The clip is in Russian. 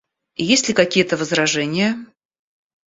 Есть ли какие-то возражения?